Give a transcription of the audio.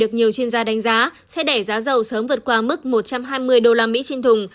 nhiều chuyên gia đánh giá sẽ đẩy giá dầu sớm vượt qua mức một trăm hai mươi usd trên thùng